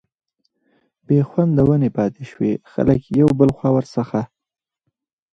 بي خونده ونې پاتي شوې، خلک يو بل خوا ور څخه